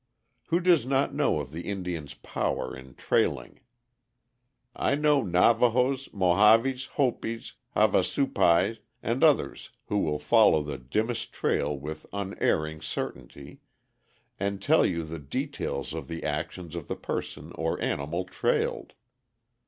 Who does not know of the Indian's power in trailing. I know Navahos, Mohaves, Hopis, Havasupais, and others who will follow the dimmest trail with unerring certainty, and tell you the details of the actions of the person or animal trailed.